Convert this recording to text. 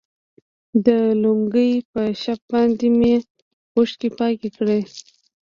د لونګۍ په شف باندې مې اوښكې پاكې كړي.